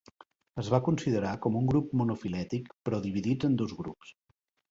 Es va considerar com un grup monofilètic però dividits en dos grups.